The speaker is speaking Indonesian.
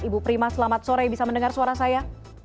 ibu prima selamat sore bisa mendengar suara saya